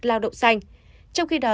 lao động xanh trong khi đó